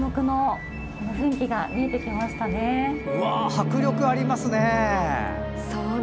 迫力ありますね。